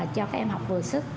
cho các em học vừa sức